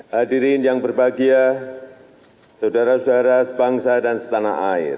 hadirin yang berbahagia saudara saudara sebangsa dan setanah air